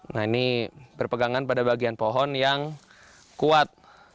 nah ini berpegangan pada bagian pohon yang kuat